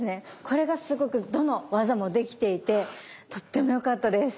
これがすごくどの技もできていてとっても良かったです。